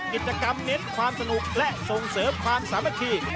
กิจกรรมเน้นความสนุกและส่งเสริมความสามัคคี